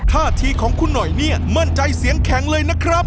ท่าทีของคุณหน่อยเนี่ยมั่นใจเสียงแข็งเลยนะครับ